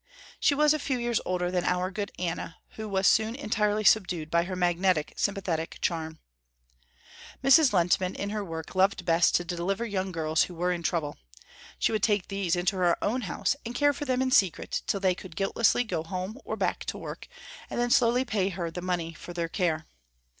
She was a few years older than our good Anna, who was soon entirely subdued by her magnetic, sympathetic charm. Mrs. Lehntman in her work loved best to deliver young girls who were in trouble. She would take these into her own house and care for them in secret, till they could guiltlessly go home or back to work, and then slowly pay her the money for their care.